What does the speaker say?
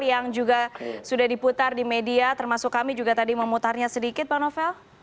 yang juga sudah diputar di media termasuk kami juga tadi memutarnya sedikit pak novel